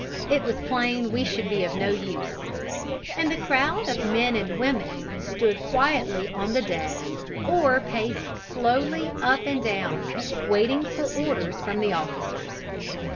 It was plain we should be of no use; and the crowd of men and women stood quietly on the deck or paced slowly up and down waiting for orders from the officers.